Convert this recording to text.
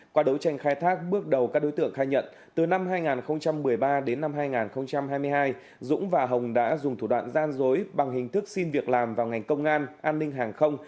qua đấu tranh khai thác bước đầu các đối tượng khai nhận từ năm hai nghìn một mươi ba đến năm hai nghìn hai mươi hai dũng và hồng đã dùng thủ đoạn gian dối bằng hình thức xin việc làm vào ngành công an an ninh hàng không